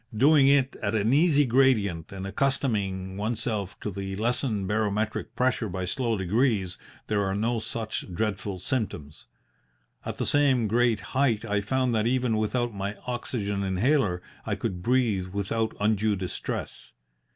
Doing it at an easy gradient and accustoming oneself to the lessened barometric pressure by slow degrees, there are no such dreadful symptoms. At the same great height I found that even without my oxygen inhaler I could breathe without undue distress.